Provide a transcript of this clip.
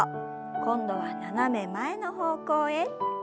今度は斜め前の方向へ。